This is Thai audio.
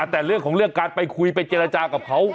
แต่เรื่องของเรื่องการไปคุยไปเจรจากับเขา